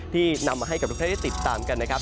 นำมาให้กับทุกท่านได้ติดตามกันนะครับ